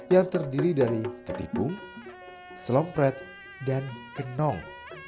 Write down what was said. yang terdiri dari ketipung selompret dan kenong